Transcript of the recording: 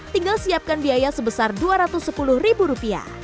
tinggal siapkan biaya sebesar rp dua ratus sepuluh